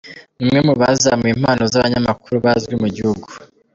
Ni umwe mu bazamuye impano z’abanyamakuru bazwi mu gihugu.